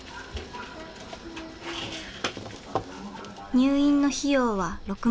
入院の費用は６万ペソ。